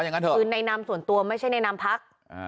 อย่างนั้นเถอะคือในนามส่วนตัวไม่ใช่ในนามพัก